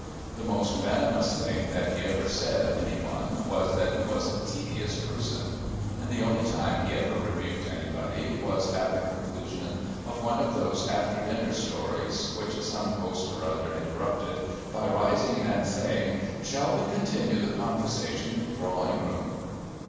The most venomous thing that he ever said of anyone was that he was a tedious person, and the only time he ever rebuked anybody was at the conclusion of one of those after dinner stories which some host or other interrupted by rising and saying: "Shall we continue the conversation in the drawing room?"